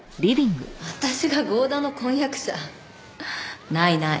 私が郷田の婚約者？ないない。